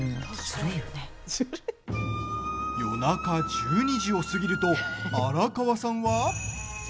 夜中１２時を過ぎると荒川さんは。